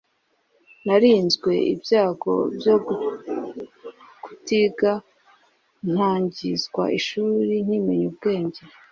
narinzwe ibyago byo kutiga ntangizwa ishuri nkimenya ubwenge